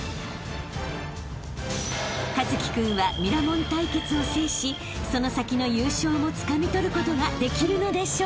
［一輝君はミラモン対決を制しその先の優勝をつかみ取ることができるのでしょうか？］